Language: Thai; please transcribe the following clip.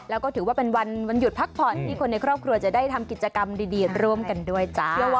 แล้วก็ถือว่าเป็นวันหยุดพักผ่อนที่คนในครอบครัวจะได้ทำกิจกรรมดีร่วมกันด้วยจ้า